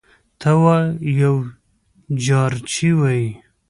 ته وا یو جارچي وايي: